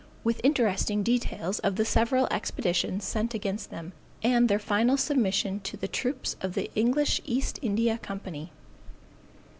With interesting details of the several expeditions sent against them, and their final submission to the troops of the English East India Company_.